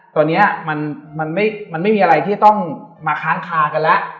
ตัวนี้มันไม่มีอะไรที่ต้องมาค้างคากันแล้ว